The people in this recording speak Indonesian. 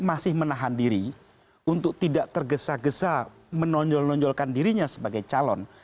masih menahan diri untuk tidak tergesa gesa menonjol nonjolkan dirinya sebagai calon